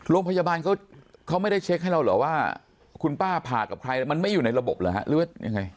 โรงพยาบาลเขาไม่ได้เช็คให้เราเหรอว่าคุณป้าผ่ากับใครมันไม่อยู่ในระบบเหรอฮะหรือว่ายังไง